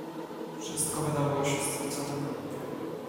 "Wszystko wydawało się stracone, panowie."